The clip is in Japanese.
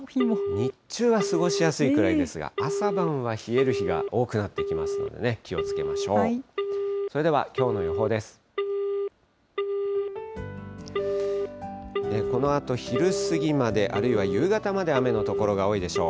日中は過ごしやすいくらいですが、朝晩は冷える日が多くなってきますのでね、気をつけましょう。